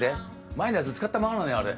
前のやつ使ったままなのよあれ。